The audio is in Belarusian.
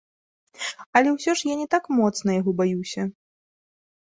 Але ўсё ж я не так моцна яго баюся.